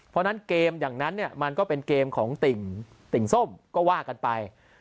เพราะฉะนั้นเกมอย่างนั้นเนี่ยมันก็เป็นเกมของติ่งติ่งส้มก็ว่ากันไป